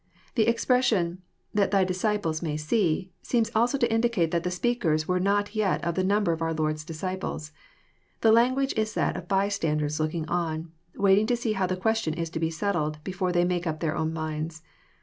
The expression <Hhat Thy disciples may see," seems also to indicate that the speakers were not yet of the number of our Lord's disciples. The language is that of bystanders looking on, waiting to see how the question is to be settled, before they make up their own minds.